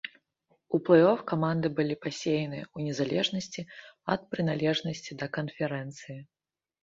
У плэй-оф каманды былі пасеяныя ў незалежнасці ад прыналежнасці да канферэнцыі.